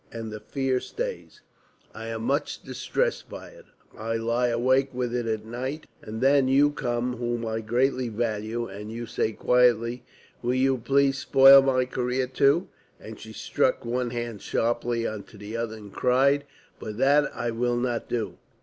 And the fear stays. I am much distressed by it. I lie awake with it at night. And then you come whom I greatly value, and you say quietly, 'Will you please spoil my career too?'" And she struck one hand sharply into the other and cried, "But that I will not do."